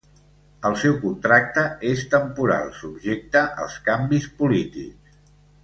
El seu contracte és temporal subjecte als canvis polítics.